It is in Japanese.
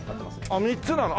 あっ３つなの？